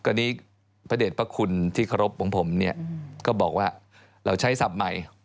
ตอนนี้พระเด็จพระคุณที่เคารพของผมเนี่ยก็บอกว่าเราใช้ศัพท์ใหม่